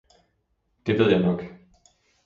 Det ved jeg nok!